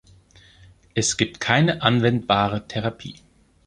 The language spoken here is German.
Es gibt keine anwendbare Therapie.